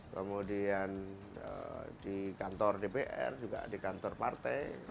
kemudian di kantor dpr juga di kantor partai